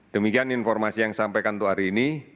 demikian informasi yang disampaikan untuk hari ini